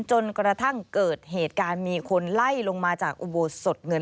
จนกระทั่งเกิดเหตุการณ์มีคนไล่ลงมาจากอุโบสถเงิน